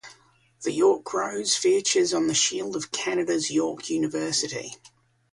The York Rose features on the shield of Canada's York University.